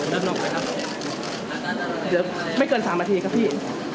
เดี๋ยวไม่เกิน๓นาทีครับพี่